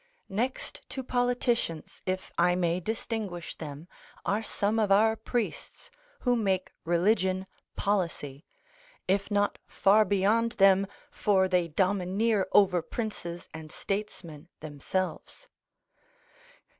Next to politicians, if I may distinguish them, are some of our priests (who make religion policy), if not far beyond them, for they domineer over princes and statesmen themselves.